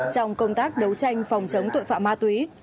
trong công tác đấu tranh phòng chống tội phạm ma túy